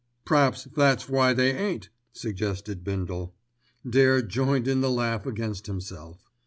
"P'raps that's why they ain't," suggested Bindle. Dare joined in the laugh against himself.